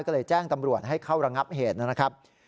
ก็เลยแจ้งตำรวจให้เข้าระงับเหตุนะครับ